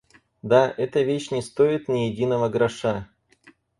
Да эта вещь не стоит ни единого гроша!